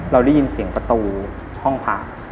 เราได้ยินเสียงประตูห้องพัก